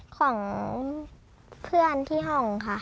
ของเพื่อนที่ห้องค่ะ